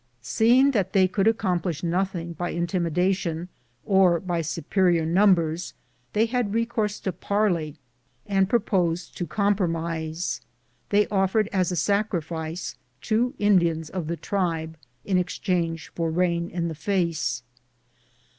Seeing that they could accomplish nothing by intimi dation or by superior numbers, they had recourse to parley and proposed to compromise. They offered as a sacrifice two Indians of the tribe in exchange for Eain in the face.